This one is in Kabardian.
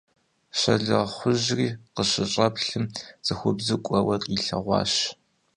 Щолэхъужьри къыщыщӀэплъым, цӀыхубзыр кӀуэуэ къилъэгъуащ.